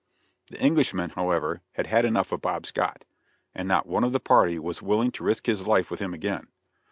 The Englishmen, however, had had enough of Bob Scott, and not one of the party was willing to risk his life with him again.